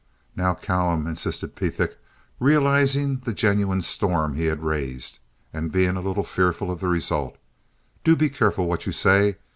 "Now, Callum," insisted Pethick, realizing the genuine storm he had raised, and being a little fearful of the result, "do be careful what you say.